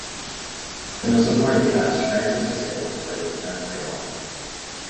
In the supporting cast, Francis DeSales played Lieutenant Farrell.